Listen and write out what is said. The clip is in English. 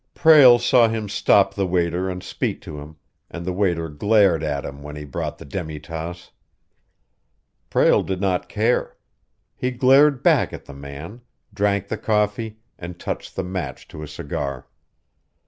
Prale saw him stop the waiter and speak to him, and the waiter glared at him when he brought the demi tasse. Prale did not care. He glared back at the man, drank the coffee, and touched the match to a cigar.